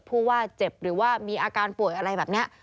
ผู้ว่าเจ็บหรือว่ามีอาการป่วยอะไรแบบนี้